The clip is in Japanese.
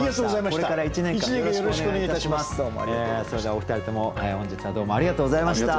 それではお二人とも本日はどうもありがとうございました。